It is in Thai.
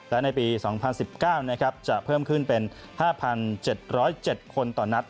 และในปี๒๐๑๙จะเพิ่มขึ้นเป็น๕๗๐๗คนต่อนัด